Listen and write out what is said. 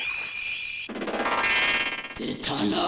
出たな！